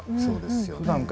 そうですよね。